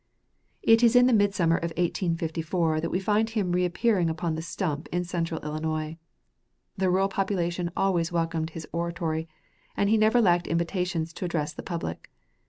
It is in the midsummer of 1854 that we find him reappearing upon the stump in central Illinois. The rural population always welcomed his oratory, and he never lacked invitations to address the public.